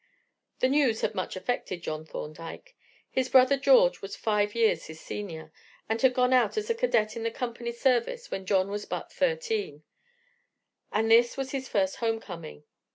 The news had much affected John Thorndyke. His brother George was five years his senior, and had gone out as a cadet in the company's service when John was but thirteen, and this was his first home coming.